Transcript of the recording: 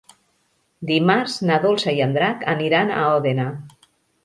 Dimarts na Dolça i en Drac aniran a Òdena.